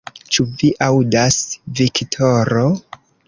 Ĉu vi aŭdas, Viktoro?